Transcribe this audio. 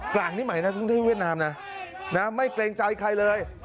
กลางนี่ใหม่นักท่องเที่ยวเวียดนามนะไม่เกรงใจใครเลย